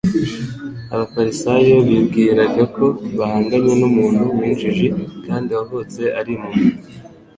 Abafarisayo bibwiraga ko bahanganye n'umuntu w'injiji kandi wavutse ari impumyi ;